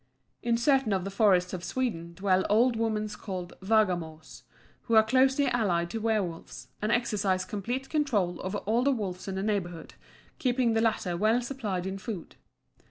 In certain of the forests of Sweden dwell old women called Vargamors, who are closely allied to werwolves, and exercise complete control over all the wolves in the neighbourhood, keeping the latter well supplied in food.